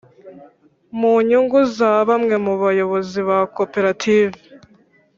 mu nyungu za bamwe mu bayobozi ba koperative,